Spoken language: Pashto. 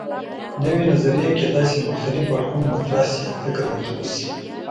نوې نظریې کیدای شي له مختلفو اړخونو مطرح شي او فکر ورته وشي.